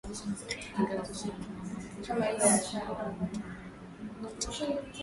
Ingawa Baba na Mama yake hawakuwa na matumaini makubwa katika